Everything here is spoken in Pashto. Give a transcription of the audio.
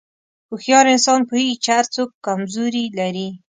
هوښیار انسان پوهېږي چې هر څوک کمزوري لري.